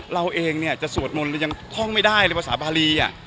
เราเองเนี่ยจะสวดมนต์เรายังท่องไม่ได้เลยภาษาบารี